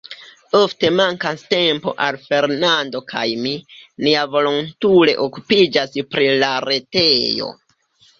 Ofte mankas tempo al Fernando kaj mi; ni ja volontule okupiĝas pri la retejo.